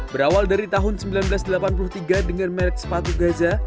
berawal dari tahun seribu sembilan ratus delapan puluh tiga dengan merek sepatu gaza